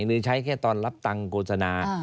หรือใช้แค่ตอนรับตังค์โฆษณา